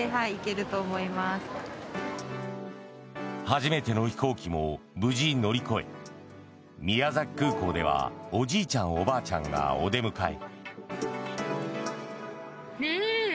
初めての飛行機も無事、乗り越え宮崎空港ではおじいちゃん、おばあちゃんがお出迎え。